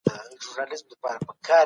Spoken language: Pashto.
په دغه غونډې کي د زراعت په اړه خبري وسوې.